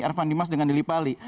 evan dimas dengan lily pali